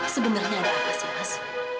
sebenernya ada apa sih mas